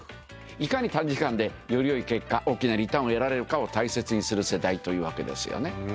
いかに短時間でより良い結果大きなリターンを得られるかを大切にする世代というわけです。